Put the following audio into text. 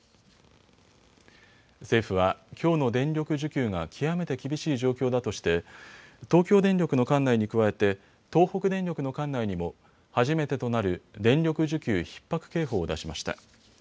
政府はきょうの電力需給が極めて厳しい状況だとして東京電力の管内に加えて東北電力の管内にも初めてとなる電力需給ひっ迫警報を出しました。